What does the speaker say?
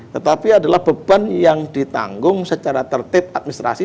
tetapi adalah beban yang ditanggung secara tertib administrasi